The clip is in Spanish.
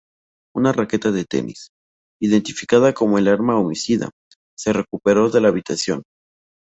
Una raqueta de tenis, identificada como el arma homicida, se recuperó de la habitación.